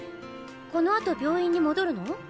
このあと病院に戻るの？